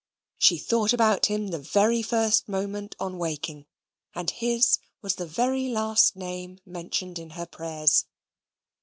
She thought about him the very first moment on waking; and his was the very last name mentioned in her prayers.